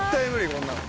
こんなの。